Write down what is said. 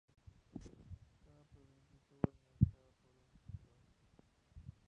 Cada provincia estuvo administrada por un pretor.